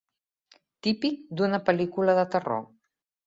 Típic d'una pel·lícula de terror.